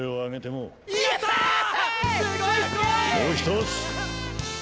もう一つ！